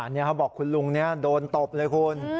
นี่เขาบอกคุณลุงนี้โดนตบเลยคุณ